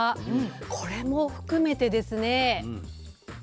これも含めてですね